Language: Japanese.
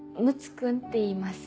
君っていいます。